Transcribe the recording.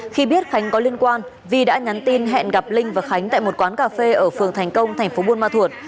khi biết khánh có liên quan vi đã nhắn tin hẹn gặp linh và khánh tại một quán cà phê ở phường thành công thành phố buôn ma thuột